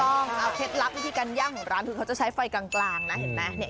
ต้องเอาเคล็ดลับให้ที่กันยั่งร้านที่เขาจะใช้ไฟกลางนะเห็นไหม